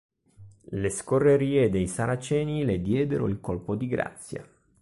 Le scorrerie dei Saraceni le diedero il colpo di grazia.